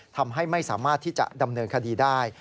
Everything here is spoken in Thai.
ทำให้ไม่สามารถที่จะดำเนินคดีได้